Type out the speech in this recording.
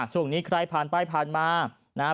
ส่วงนี้ใครผ่านไปผ่านมา